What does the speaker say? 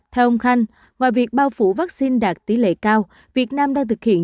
theo ông khanh ngoài việc bao phủ vaccine đạt tỷ lệ cao việt nam đang thực hiện